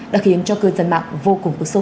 đã khiến cho cư dân mạng vô cùng bức xúc